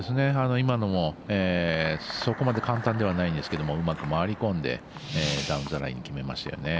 今のもそこまで簡単ではないですけどうまく回り込んでダウンザライン決めましたよね。